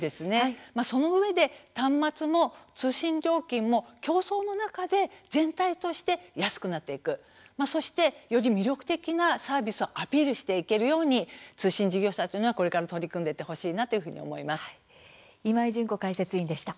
そのうえで端末も通信料金も競争の中で全体として安くなっていくそしてより魅力的なサービスをアピールしていけるように通信事業者は取り組んでいって今井純子解説委員でした。